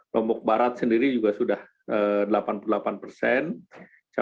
lombok barat sendiri juga sudah memiliki dosis yang lebih tinggi yaitu satu enam ratus delapan belas sasaran